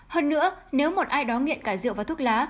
hơn nữa nếu một ai đó nghiện cả rượu và thuốc lá